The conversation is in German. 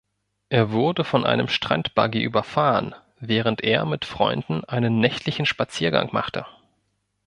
Er wurde von einem Strand-Buggy überfahren, während er mit Freunden einen nächtlichen Spaziergang machte.